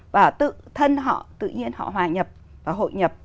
và tự thân họ tự nhiên họ hòa nhập và hội nhập